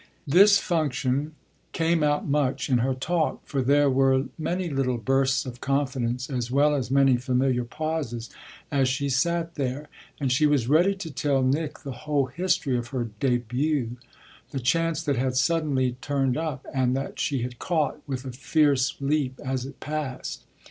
This function came out much in her talk, for there were many little bursts of confidence as well as many familiar pauses as she sat there; and she was ready to tell Nick the whole history of her début the chance that had suddenly turned up and that she had caught, with a fierce leap, as it passed.